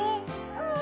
うん。